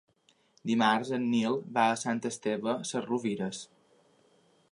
Dimarts en Nil va a Sant Esteve Sesrovires.